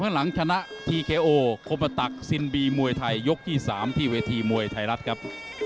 หลักซินบีมวยไทยยกที่๓ที่เวทีมวยไทยรัฐครับ